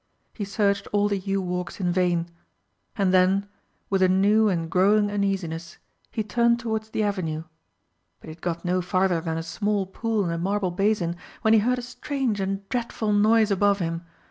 He searched all the yew walks in vain, and then, with a new and growing uneasiness, turned towards the avenue, but he had got no farther than a small pool in a marble basin when he heard a strange and dreadful noise above him.